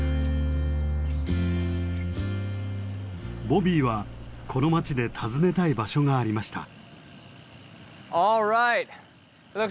ボビーはこの町で訪ねたい場所がありました。